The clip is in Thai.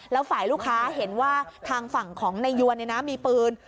แล้วฝ่ายลูกค้าเห็นว่าทางฝั่งของนายยวนมีปืน